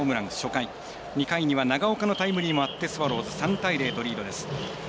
２回には長岡のタイムリーもあってスワローズ、３対０とリードです。